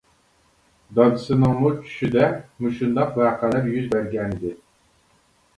دادىسىنىڭمۇ چۈشىدە مۇشۇنداق ۋەقەلەر يۈز بەرگەنىدى.